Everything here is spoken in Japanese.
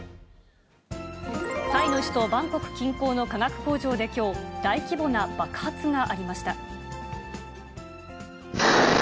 タイの首都バンコク近郊の化学工場できょう、大規模な爆発がありました。